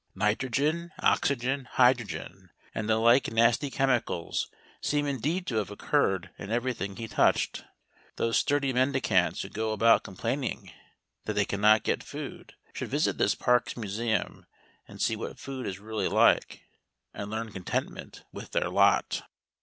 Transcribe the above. Nitrogen, oxygen, hydrogen, and the like nasty chemical things seem indeed to have occurred in everything he touched. Those sturdy mendicants who go about complaining that they cannot get food should visit this Parkes Museum and see what food is really like, and learn contentment with their lot.